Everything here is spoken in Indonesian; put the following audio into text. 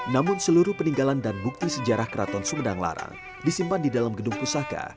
namun seluruh peninggalan dan bukti sejarah keraton sumedang larang disimpan di dalam gedung pusaka